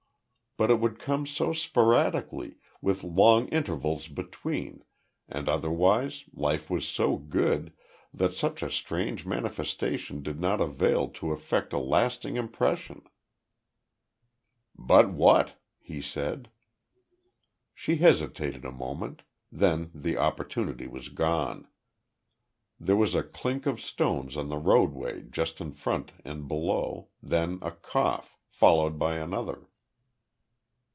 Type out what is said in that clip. But it would come so sporadically, with long intervals between, and otherwise life was so good, that such a strange manifestation did not avail to effect a lasting impression. "But what?" he said. She hesitated a moment, then the opportunity was gone. There was a clink of stones on the roadway just in front and below, then a cough, followed by another.